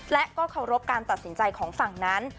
และก็เคารพการตัดสินใจของฝั่งนั้น